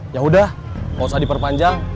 yaudah gak usah diperpanjang